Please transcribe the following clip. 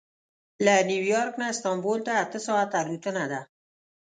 له نیویارک نه استانبول ته اته ساعته الوتنه ده.